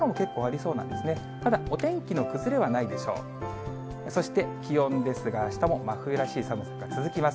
そして気温ですが、あしたも真冬らしい寒さが続きます。